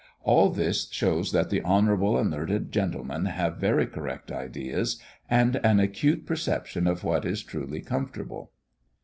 All this shows that the honourable and learned gentlemen have very correct ideas, and an acute perception of what is truly comfortable.